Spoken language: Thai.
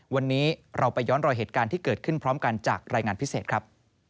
วันนี้เราไปย้อนรอยเหตุการณ์ที่เกิดขึ้นพร้อมกันจากรายงานพิเศษครับ